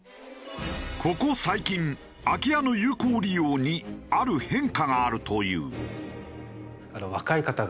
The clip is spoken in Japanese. ここ最近空き家の有効利用にある変化があるという。